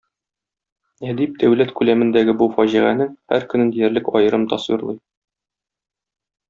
Әдип дәүләт күләмендәге бу фаҗиганең һәр көнен диярлек аерым тасвирлый.